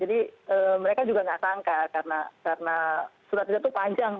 jadi mereka juga nggak sangka karena surat dinda tuh panjang